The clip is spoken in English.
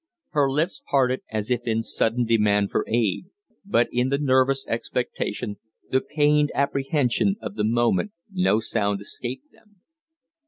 Her lips parted as if in sudden demand for aid; but in the nervous expectation, the pained apprehension, of the moment no sound escaped them.